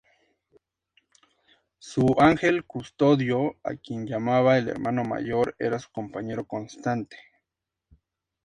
Su ángel custodio, a quien llamaba el hermano mayor, era su compañero constante.